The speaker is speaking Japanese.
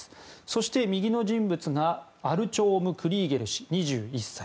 そして右の人物がアルチョーム・クリーゲル氏２１歳。